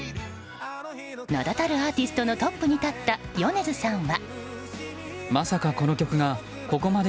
名だたるアーティストのトップに立った米津さんは。